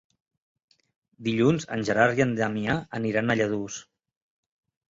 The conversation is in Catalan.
Dilluns en Gerard i en Damià aniran a Lladurs.